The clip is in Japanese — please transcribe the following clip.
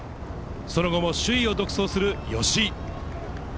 その後も首位を独走する吉居。